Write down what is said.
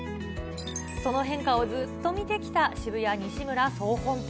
その変化をずっと見てきた渋谷西村そう本店。